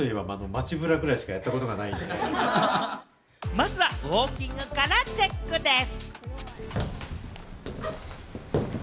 まずはウオーキングからチェックです。